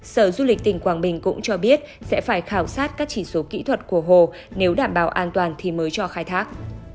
sở du lịch tỉnh quảng bình cũng cho biết sẽ phải khảo sát các chỉ số kỹ thuật của hồ nếu đảm bảo an toàn thì mới cho khai thác